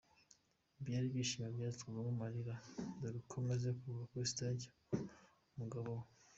ibyari ibyishimo byaje kuvamo amarira dore ko amaze kuva kuri stage umugabo we.